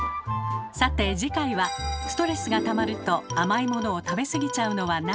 さて次回は「ストレスがたまると甘いものを食べ過ぎちゃうのはなぜ？」